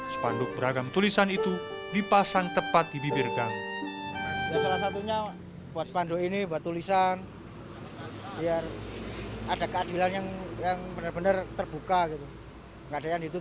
sepanduk beragam tulisan itu dipasang tepat di bibir gang